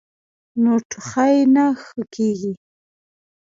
نو ټوخی نۀ ښۀ کيږي -